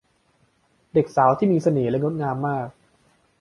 เด็กสาวที่มีเสน่ห์และงดงามมาก